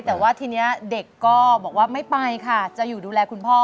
แต่ว่าทีนี้เด็กก็บอกว่าไม่ไปค่ะจะอยู่ดูแลคุณพ่อ